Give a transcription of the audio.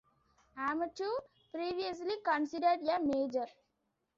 Amateur, previously considered a major.